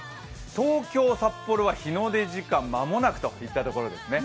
東京、札幌は日出時間まもなくといったところですね。